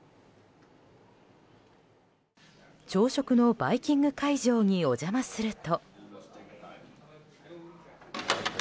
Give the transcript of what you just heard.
朝食のバイキング会場にお邪魔すると。